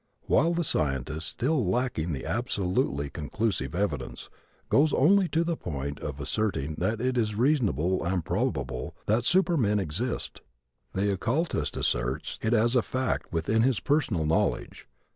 While the scientist, still lacking the absolutely conclusive evidence, goes only to the point of asserting that it is reasonable and probable that supermen exist, the occultist asserts it as a fact within his personal knowledge.